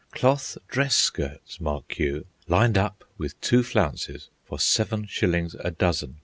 Cloth dress skirts, mark you, lined up with two flounces, for seven shillings a dozen!